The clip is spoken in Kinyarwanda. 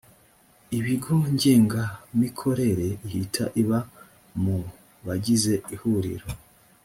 ibigo ngengamikorere ihita iba mu bagize ihuriro